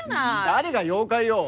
誰が妖怪よ。